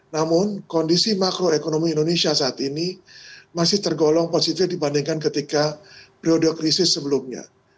namun kondisi makroekonomi indonesia saat ini masih tergolong positif dibandingkan ketika periode krisis sebelumnya